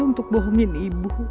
untuk bohongin ibu